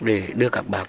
để đưa gạc bạc